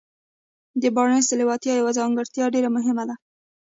د بارنس د لېوالتیا يوه ځانګړتيا ډېره مهمه وه.